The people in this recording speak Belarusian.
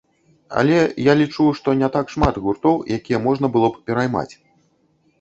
Але я лічу, што не так шмат гуртоў, якія можна было б пераймаць.